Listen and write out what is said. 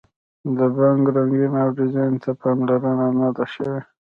د باندې رنګ او ډیزاین ته پاملرنه نه ده شوې.